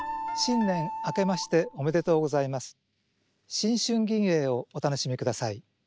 「新春吟詠」をお楽しみください。